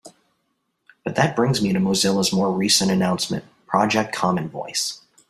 But that brings me to Mozilla's more recent announcement: Project Common Voice.